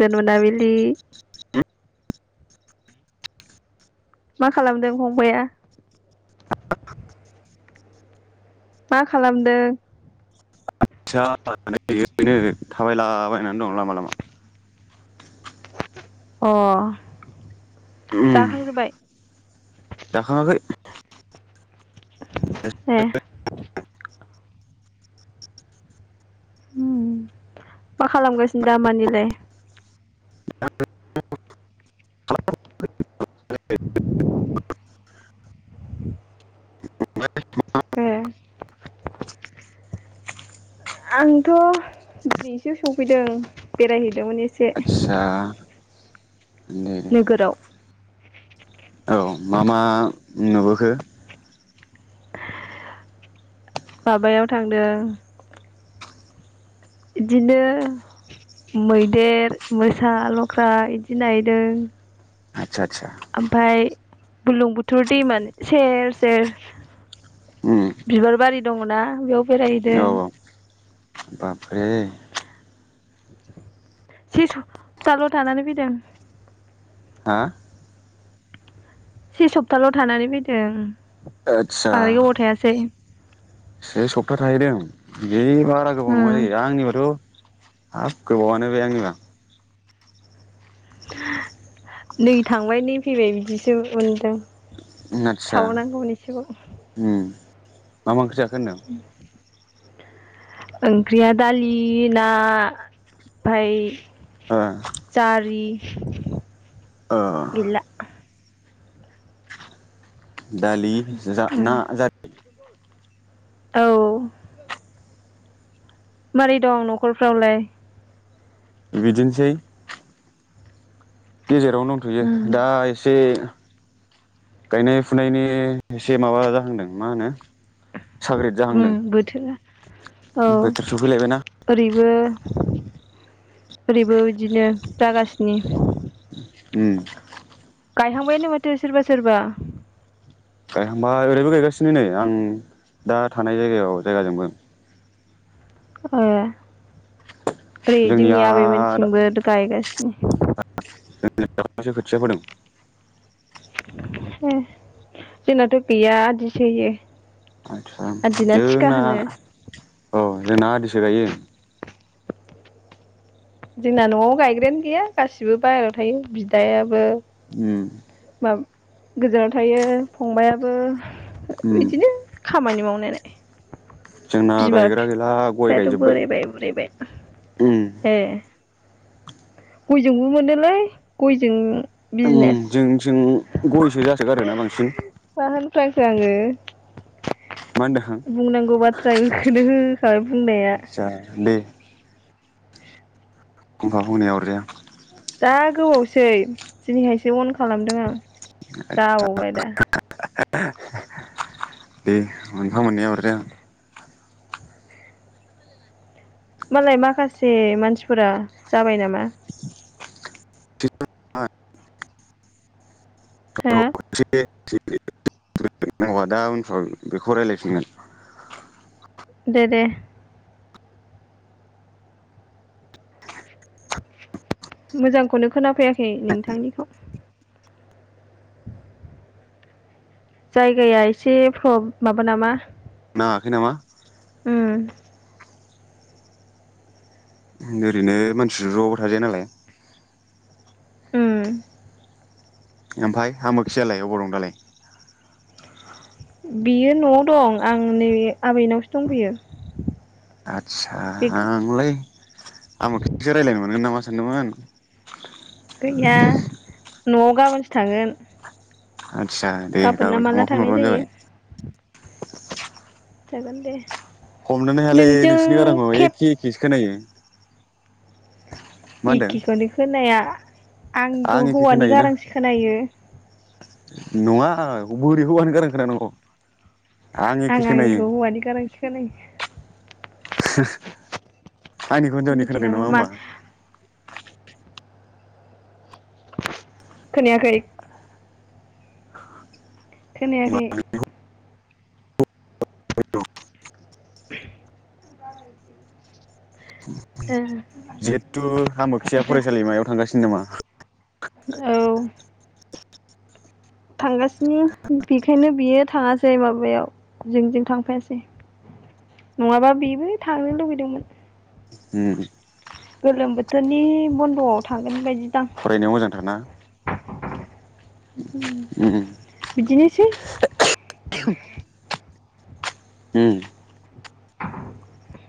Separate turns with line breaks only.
जोन मोनाबिलि मा खालामदों फंबाया?
[unintelligible]
मा खालामदों?
जा [unintelligible] थाबाय लाबाय नानै दं लामा लामा।
अ
उम
जाखांजोब्बाय
जाखाङाखै
[inaudible] ए मा खालामगासिनो दामानिलाय?
[unintelligible] [unintelligible]
ए आंथ दिनैसो सफैदों बेरायहै
आतसा दे।
नोगोराव
औ मा मा नुबोखो?
माबायाव थांदों इदिनो मैदेर, मोसा, लख्रा इदि नायदों
आदसा आदसा
ओमफ्राय बुरलुंबुथुर दैमानि सेर सेर बिबार बारि दङना बेयाव बेरायहैदों
औ औ बाब रे।
से सप्ताल थानानै फैदों
हा
से सप्ताल थानानै फैदों।
आदसा
बांद्राय गोबाव थायासै
से सप्ता थाहैदों बे बारा गोबाव नङा
उम
जायो आंनिबाथ' हाब गोबावानो बे आंनिबा
नै थांबाय नै फैबाय बिदिसो मोनदों
आत्सा
थाबावनांगौमोन एसेबाव
उम। मा मा ओंख्रि जाखो? होनदों
[unintelligible] ओंख्रिया दालि ना फाय
ओ
जारि [unintelligible]
ओ
गैला।
दालि जा
उम
ना जा [unintelligible]
औ। मारै दं नखरफ्रावलाय?
बिदिनोसै गेजेरावनो दंथयो
उम
दा एसे गायनाय फुनायनि एसे माबा जाहांदों मा होनो साग्रिद
उम
जाहांदों
बोथोरा औ ओरै
बोथोर सफैलायबायना
ओरैबो ओरैबो बिदिनो जागासिनि
उम
गायहांबायानो माथो सोरबा सोरबा
गायहांबा ओरैबो गायगासिनो नै आं दा थानाय जायगायाव जायगाजोंबो
ए ओरै
जोंनिया
जोंनि आबैमोनथिंबो गायगासि [inaudible]
सो खोथिया फोदों
ए जोंनाथ गैया आदिसो होयो
आदसा
आदिना थिखा
जोंना
होनो
औ जोंना आदिसो गायो
जोंना नआव गायग्रायानो गैया गासिबो बाहेरायाव थायो बिदायाबो
उम
माब गोजानाव थायो फंबाइआबो
उम
बिदिनो खामानि मावनाया लाय
जोंना गायग्रा गैला गय गायजोबबाय
बोरायबाय बुरैबाय ए गयजोंबो मोनोलाय गयजों बिजनेस
जों जों गयसो जासोगारोना बांसिन
[unintelligible]
मा होनदों आं
बुंनांगौ बाथ्रा बेखौनो होखाबाय बुंनाया
आदसा दे फंफा फंनैया अरजाया
जा गोबावसै दिनैहायसो अन खालामदों आं जाव बायदा
बे मोनफा मोननै अरजाया
मालाय माखासे मानसिफोरा जाबाय नामा?
[unintelligible] [unintelligible]
हो
[unintelligible] दा उनफ्राव बेखौ रायलायफिनगोन।
देदे। मोजांखौनो खोनाफैयाखै नोंथांनिखौ। जायगाया एसे प्र माबा नामा?
हायाखै नामा?
उम।
ओरैनो मानसि ज थाजाया नालाय
उम।
ओमफ्राय आमोखियालाय अबाव दं दालाय?
बियो नआव दं। आं नैबे आबैनावसो दंफैयो।
आदसा
बे
आंलाय आमोखि जोंसो रायज्लायनो मोनगोन नामा सानदोंमोन।
गैया। न'आव गाबोनसो थांगोन।
आदसा दे
ना
गाबोन
माला
थांबा फन
थांनाय
हरबानो
जायो
जाबाय।
जागोन दे।
हमनानै हायालै
नोंजों
नोंसिनि गारांखौ
खेब
एखे एखेसो खोनायो। [inaudible] मा होनदों
इखेखौनो खोनाया।
आं
आंनिखौ
एखे
हौवानि
खोनायोना
गारांसो खोनायो।
नङा बोरै हौवानि गारां खोना नांगौ?
आं आंनिखौ हौवानि गारांसो खोनायो।
[inaudible] आंनिखौ हिनजावनि
मिथियो
खोनादों नामा
मा
होमबा?
खोनायाखै। खोनायाखै।
[unintelligible]
[inaudible] ओ।
जिहेतु आमोखिया
ओमफ्राय
फरायसालिमायाव थांगासिनो नामा? [inaudible]
औ। थांगासिनो बेखायनो बियो थाङासै माबायाव जों जों थांफायासै। नङाबा बेबो थांनो लुबैदोंमोन।
हुम।
गोलोम बोथोरनि बन्दआव थांगोन बायदि
फरायनायाव मोजांथारना? उम
बिदिनोसै।
[inaudible] हुम।